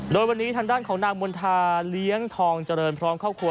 โดยวันนี้ทางด้านของนางมณฑาเลี้ยงทองเจริญพร้อมครอบครัว